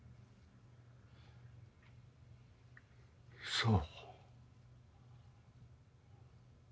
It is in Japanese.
そう。